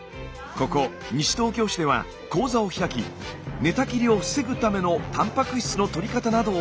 ここ西東京市では講座を開き寝たきりを防ぐためのたんぱく質のとり方などを教えているんです。